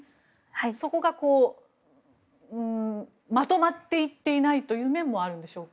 そこがまとまっていっていないという面もあるんでしょうか。